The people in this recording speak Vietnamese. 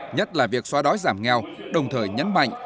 nhất là việc xóa đói giảm nghèo đồng thời nhấn mạnh